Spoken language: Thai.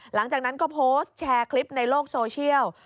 หลังจากนั้นก็โพสต์แชร์คลิปในโลกโซเชียล